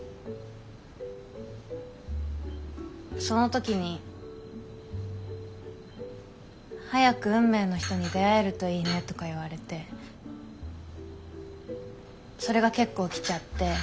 その時に「早く運命の人に出会えるといいね」とか言われてそれが結構きちゃって。